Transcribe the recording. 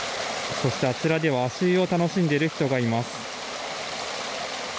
そして、あちらでは足湯を楽しんでいる人がいます。